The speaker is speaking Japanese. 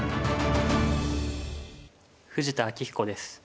富士田明彦です。